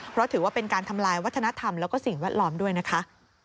เพราะถือว่าเป็นการทำลายวัฒนธรรมแล้วก็สิ่งแวดล้อมด้วยนะคะ